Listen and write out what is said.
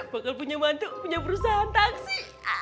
bakal punya mantu punya perusahaan taksi